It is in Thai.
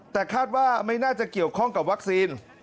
แต่คาดว่าไม่น่าจะเกี่ยวข้องกับวัคซีน